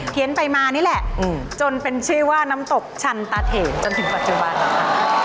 ไปมานี่แหละจนเป็นชื่อว่าน้ำตกชันตาเถนจนถึงปัจจุบันนะคะ